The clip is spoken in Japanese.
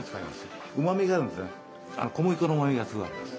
小麦粉のうまみがすごいあります。